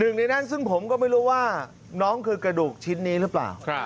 หนึ่งในนั้นซึ่งผมก็ไม่รู้ว่าน้องคือกระดูกชิ้นนี้หรือเปล่า